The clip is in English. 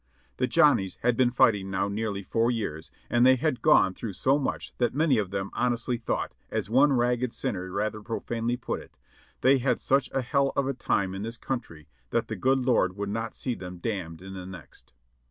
The Johnnies had been fighting now nearly four years and they had gone through so much that many of them honestly thought, as one ragged sinner rather profanely put it, "they had such a hell of a time in this country that the good Lord would not see them damned in the next."